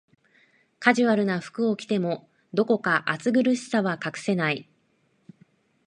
カジュアルな服を着ても、どこか堅苦しさは隠せない